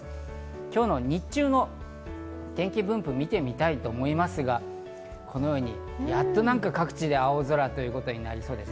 今日の日中の天気分布を見てみたいと思いますが、このように、やっとなんか各地で青空ということになりそうです。